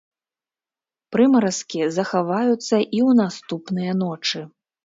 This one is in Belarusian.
Прымаразкі захаваюцца і ў наступныя ночы.